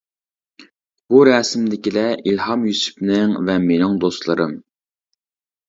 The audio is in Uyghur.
بۇ رەسىمدىكىلەر ئىلھام يۈسۈپنىڭ ۋە مېنىڭ دوستلىرىم.